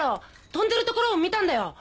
飛んでるところを見たんだよ。